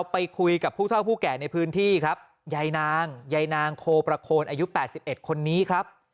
ไปคุยกับผู้เท่าผู้แก่ในพื้นที่ครับยายนางยายนางโคประโคนอายุ๘๑คนนี้ครับ